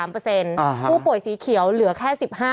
ผู้ป่วยสีเขียวเหลือแค่๑๕